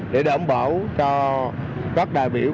để đảm bảo cho các đại biểu